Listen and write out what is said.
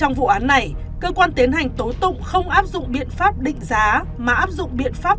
trong vụ án này cơ quan tiến hành tố tụng không áp dụng biện pháp định giá mà áp dụng biện pháp